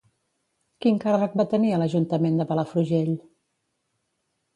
Quin càrrec va tenir a l'Ajuntament de Palafrugell?